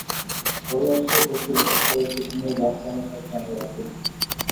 ঘরে আসিয়া বসিলে সে একটি টিনের বাক্স আমার কাছে আনিয়া রাখিল।